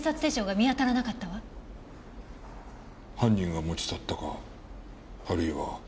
犯人が持ち去ったかあるいは。